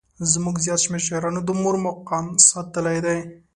زموږ زیات شمېر شاعرانو د مور مقام ستایلی دی.